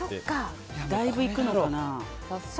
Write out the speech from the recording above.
だいぶいくのかな。